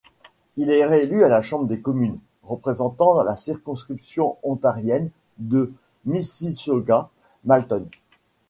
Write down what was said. Il est réélu à la Chambre des communes, représentant la circonscription ontarienne de Mississauga—Malton.